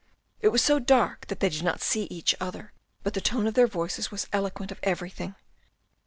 It was so dark that they did not see each other but the tone of their voices was eloquent of everything.